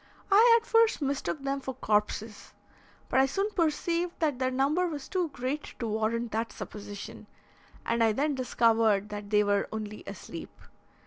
I at first mistook them for corpses, but I soon perceived that their number was too great to warrant that supposition, and I then discovered that they were only asleep.